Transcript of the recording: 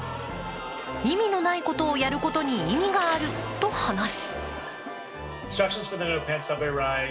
意味のないことをやることに意味があると話す。